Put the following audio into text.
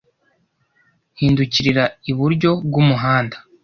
Hindukirira iburyo bw'umuhanda.